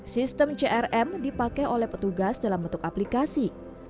sistem crm dipakai oleh petugas dalam bentuk aplikasi